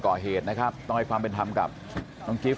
ตรของหอพักที่อยู่ในเหตุการณ์เมื่อวานนี้ตอนค่ำบอกให้ช่วยเรียกตำรวจให้หน่อย